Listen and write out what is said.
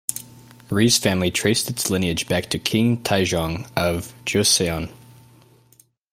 Rhee's family traced its lineage back to King Taejong of Joseon.